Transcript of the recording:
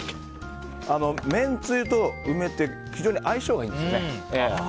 めんつゆと梅って非常に相性がいいんですね。